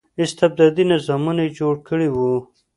استبدادي نظامونه یې جوړ کړي وو.